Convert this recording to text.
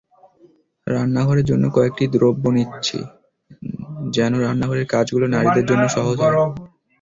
রান্নাঘরের জন্য কয়েকটি দ্রব্য দিচ্ছি, যেন রান্নাঘরের কাজগুলো নারীদের জন্য সহজ হয়।